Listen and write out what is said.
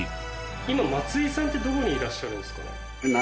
今松井さんってどこにいらっしゃるんですか？